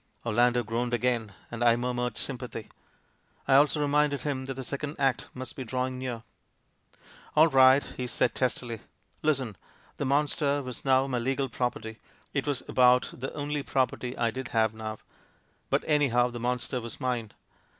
Orlando groaned again, and I murmured sym pathy. I also reminded him that the second act must be drawing near. "AU right!" he said testily. "Listen. The monster was now my legal property — it was about the only property I did have now, but any how, the monster was mine.